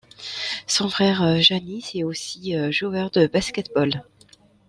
Son frère Jānis est aussi joueur de basket-ball.